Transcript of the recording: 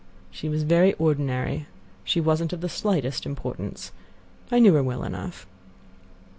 "She was very ordinary. She wasn't of the slightest importance. I knew her well enough."